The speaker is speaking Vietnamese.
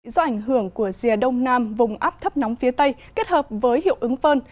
do ảnh hưởng của rìa đông nam vùng áp thấp nóng phía tây kết hợp với hiệu ứng phơn